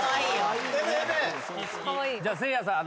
じゃあせいやさん。